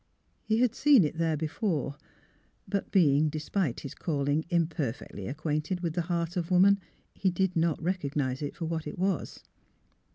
He had seen it there before; but being, despite his call ing, imperfectly acquainted with the heart of woman he did not recognise it for what it was.